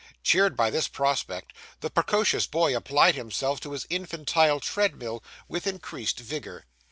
Cheered by this prospect, the precocious boy applied himself to his infantile treadmill, with increased vigour.